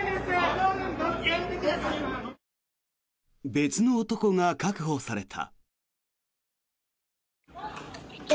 別の男が確保された。